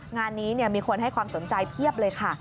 งานนี้มีคนให้ความสนใจเพียบเลยค่ะ